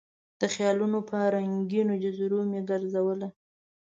د خیالونو په رنګینو جزیرو مې ګرزوله